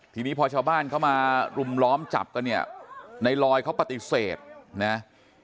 ทีนี้พอชาวบ้านเข้ามารุมล้อมจับกันเนี่ยในลอยเขาปฏิเสธนะ